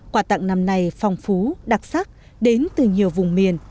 quà tặng năm nay phong phú đặc sắc đến từ nhiều vùng miền